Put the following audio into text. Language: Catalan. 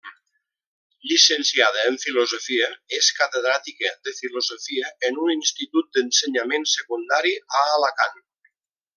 Llicenciada en Filosofia, és catedràtica de Filosofia en un institut d'ensenyament secundari a Alacant.